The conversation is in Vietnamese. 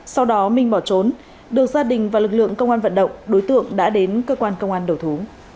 sau đó minh bỏ trốn được gia đình và lực lượng công an vận động đối tượng đã đến cơ quan công an đầu thú